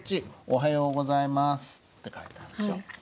「おはようございます」って書いてあるでしょ。